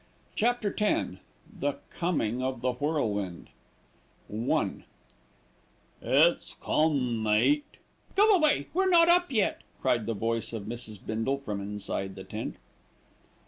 CHAPTER X THE COMING OF THE WHIRLWIND I "It's come, mate." "Go away, we're not up yet," cried the voice of Mrs. Bindle from inside the tent.